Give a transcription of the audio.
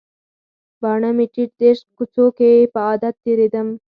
باڼه مې ټیټ د عشق کوڅو کې په عادت تیریدم